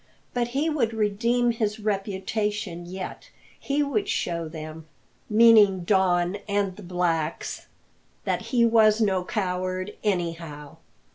But he would redeem his reputation yet. He would show them meaning Don and the blacks that he was no coward, anyhow!